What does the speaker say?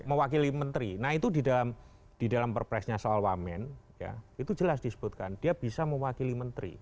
mewakili menteri nah itu di dalam perpresnya soal wamen ya itu jelas disebutkan dia bisa mewakili menteri